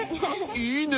いいね！